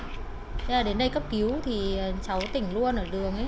thế là đến đây cấp cứu thì cháu tỉnh luôn ở đường ấy